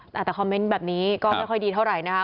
แต่คอมเมนต์แบบนี้ก็ไม่ค่อยดีเท่าไหร่นะคะ